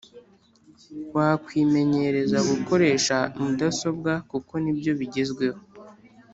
wakwimenyereza gukoresha mudasobwa kuko nibyo bigezweho